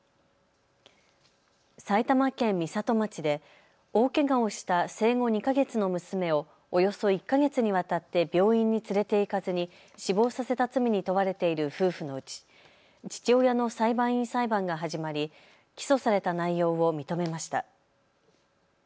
埼玉県美里町で大けがをした生後２か月の娘をおよそ１か月にわたって病院に連れて行かずに死亡させた罪に問われている夫婦のうち、父親の裁判員裁判が始まり起訴された内容を認めました。